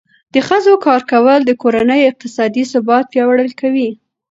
د ښځو کار کول د کورنۍ اقتصادي ثبات پیاوړی کوي.